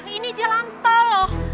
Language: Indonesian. ini jalan tol loh